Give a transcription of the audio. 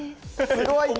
すごい！